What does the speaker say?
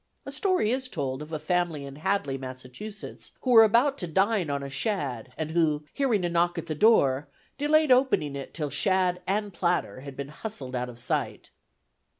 A story is told of a family in Hadley, Massachusetts, who were about to dine on a shad; and who, hearing a knock at the door, delayed opening it till shad and platter had been hustled out of sight.